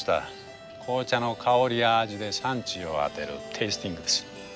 紅茶の香りや味で産地を当てるテイスティングです。